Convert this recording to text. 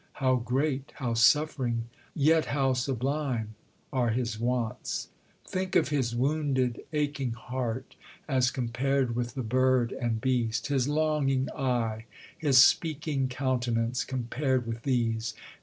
How great, how suffering, yet how sublime are his wants! Think of his wounded aching heart, as compared with the bird and beast! his longing eye, his speaking countenance, compared with these!